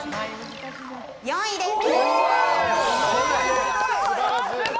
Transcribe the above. ４位です。